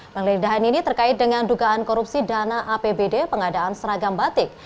penggeledahan ini terkait dengan dugaan korupsi dana apbd pengadaan seragam batik